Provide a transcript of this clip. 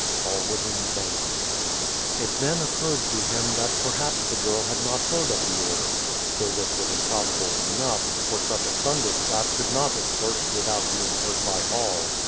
All was in vain. It then occurred to him that perhaps the girl had not heard of the order though this was improbable enough, for such a thunder clap could not have burst without being heard by all.